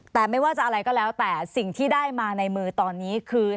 แต่ไม่ว่าจะอะไรก็แล้วแต่สิ่งที่ได้มาในมือตอนนี้คือ